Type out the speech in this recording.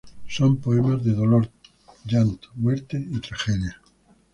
Son poemas de dolor, llanto, muerte y tragedia.